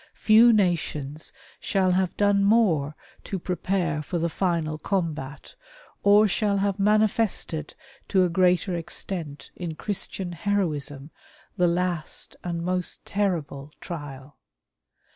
Few nations shall have done more to prepare for the final combat, or shall have manifested to a greater extent in Christian heroism the last and most terrible CATHOLIC ORGANIZATION. 155 trial.